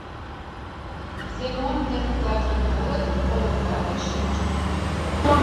Семон ден Плагий толыт, олымбаке шинчыт.